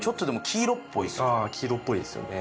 ああ黄色っぽいですよね。